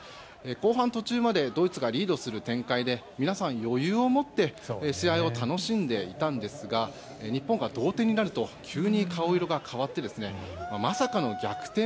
後半途中までドイツがリードする展開で皆さん、余裕を持って試合を楽しんでいたんですが日本が同点になると急に顔色が変わってまさかの逆転